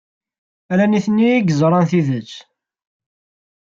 Ala nitni ay yeẓran tidet.